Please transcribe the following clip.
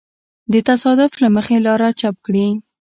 د تصادف له مخې لاره چپ کړي.